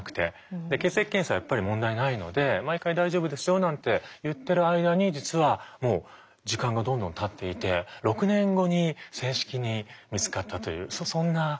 で血液検査はやっぱり問題ないので毎回「大丈夫ですよ」なんて言ってる間に実はもう時間がどんどんたっていて６年後に正式に見つかったというそんな経緯だったんですね。